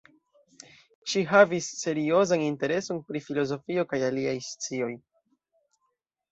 Ŝi havis seriozan intereson pri filozofio kaj aliaj scioj.